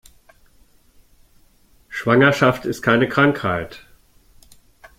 Schwangerschaft ist keine Krankheit.